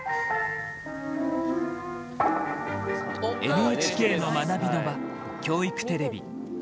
ＮＨＫの学びの場、教育テレビ。